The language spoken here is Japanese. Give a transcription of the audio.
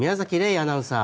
アナウンサー。